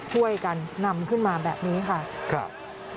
ช่วยกันนำขึ้นมาแบบนี้ค่ะครับ